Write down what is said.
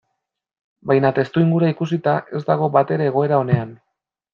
Baina testuingurua ikusita ez dago batere egoera onean.